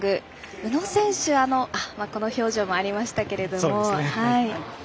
宇野選手、この表情もありましたけど。